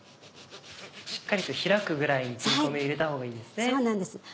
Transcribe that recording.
しっかりと開くぐらいに切り込みを入れたほうがいいですね。